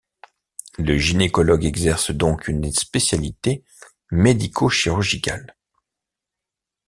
Le gynécologue exerce donc une spécialité médico-chirurgicale.